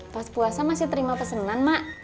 pas puasa masih terima pesenan mbak